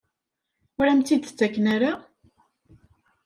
Ur am-tt-id-ttaken ara?